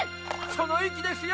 その意気ですよ